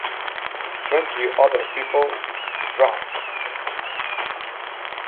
Twenty other people drowned.